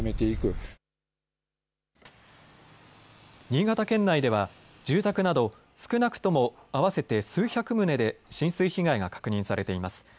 新潟県内では住宅など少なくとも合わせて数百棟で浸水被害が確認されています。